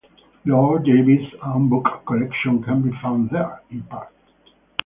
Lord Davies' own book collection can be found there, in part.